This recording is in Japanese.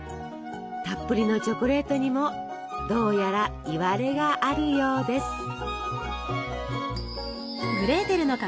たっぷりのチョコレートにもどうやらいわれがあるようです。